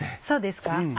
そうですか？